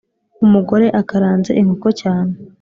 umugore akaranze inkoko cyane